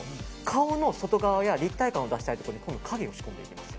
顔の外側や立体感を出したいところに影を仕込んでいきます。